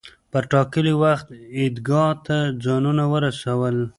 پر ټاکلي وخت عیدګاه ته ځانونه ورسول.